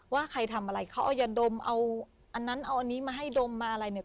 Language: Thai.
ว่าใครทำอะไรค้าเดิงคอยอย่าดมเอานั้นวันนี้เอาอันนี้มาให้ดมอะไรเนี่ย